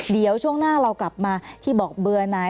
เดี๋ยวช่วงหน้าเรากลับมาที่บอกเบื่อนาย